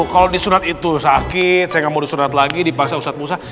kalau di surat itu sakit saya nggak mau disurat lagi dipaksa ustadz musa